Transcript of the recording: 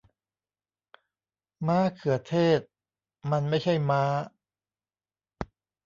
ม้าเขือเทศ มันไม่ใช่ม้า